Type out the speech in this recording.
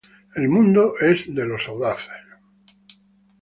El mundo es de los audaces.